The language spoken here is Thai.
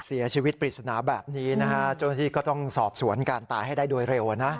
เสียชีวิตปริศนาแบบนี้นะฮะเจ้าหน้าที่ก็ต้องสอบสวนการตายให้ได้โดยเร็วนะ